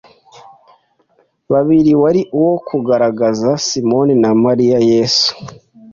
babiri wari uwo kugaragaza Simoni na Mariya Yesu